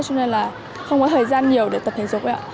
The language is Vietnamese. cho nên là không có thời gian nhiều để tập thể dục